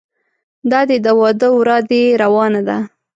دادی د واده ورا دې روانه ده.